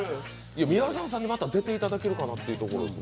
宮澤さんにまた出ていただけるかなというところが。